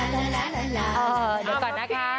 นักก่อนนะคะ